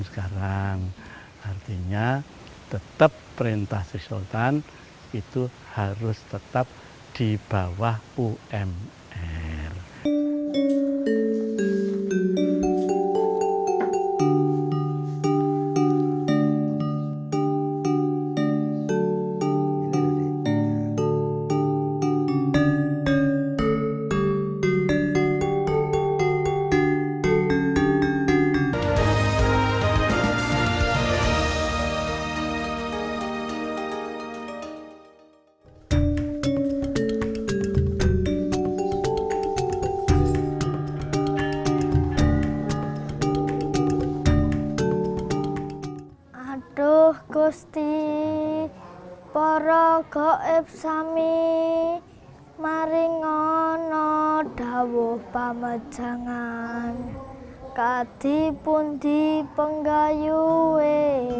sebagian lain digunakan untuk menambah jumlah gaji para abdi tertinggi sekalipun nominalnya tidak sampai dua juta per bulan